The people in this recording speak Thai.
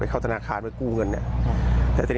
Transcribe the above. แต่อย่างก็ยังไม่คิดไม่คิด